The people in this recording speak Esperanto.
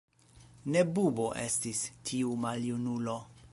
Ne bubo estis, tiu maljunulo.